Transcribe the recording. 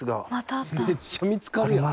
めっちゃ見つかるやん。